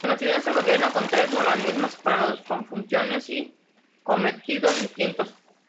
La Universidad se gobierna con tres organismos separados, con funciones y cometidos distintos.